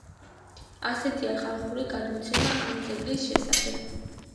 ასეთია ხალხური გადმოცემა ამ ძეგლის შესახებ.